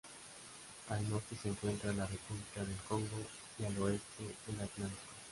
Al norte se encuentra la República del Congo y al oeste el Atlántico.